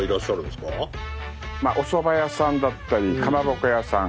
おそば屋さんだったりかまぼこ屋さん